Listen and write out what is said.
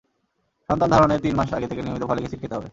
সন্তান ধারণের তিন মাস আগে থেকে নিয়মিত ফলিক অ্যাসিড খেতে হবে।